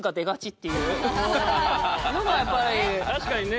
確かにね。